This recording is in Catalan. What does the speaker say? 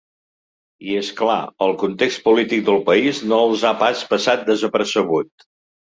I, és clar, el context polític del país no els ha pas passat desapercebut.